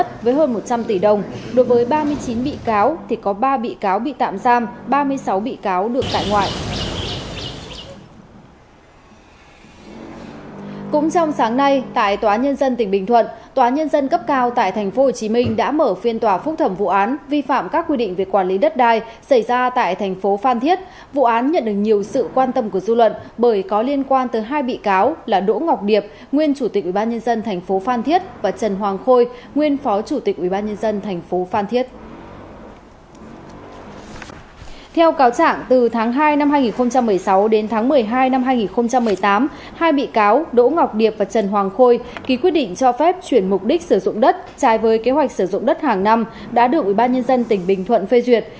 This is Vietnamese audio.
theo cáo trạng từ tháng hai năm hai nghìn một mươi sáu đến tháng một mươi hai năm hai nghìn một mươi tám hai bị cáo đỗ ngọc điệp và trần hoàng khôi ký quyết định cho phép chuyển mục đích sử dụng đất trái với kế hoạch sử dụng đất hàng năm đã được ubnd tỉnh bình thuận phê duyệt